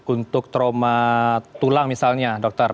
untuk trauma tulang misalnya dokter